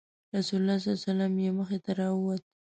رسول الله صلی الله علیه وسلم یې مخې ته راووت.